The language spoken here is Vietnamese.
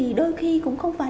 và tôi thì vẫn tất bật